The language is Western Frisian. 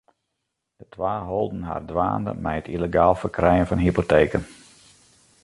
De twa holden har dwaande mei it yllegaal ferkrijen fan hypoteken.